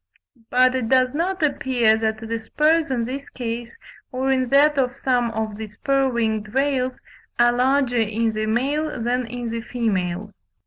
But it does not appear that the spurs in this case, or in that of some of the spur winged rails, are larger in the male than in the female.